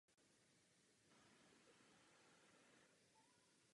Cesta do hlavního města Tibetu Lhasy jim tehdy trvala devět měsíců.